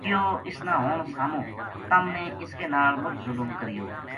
کہیو اس نا ہن ساموں تم نے اس کے نال مُچ ظلم کریو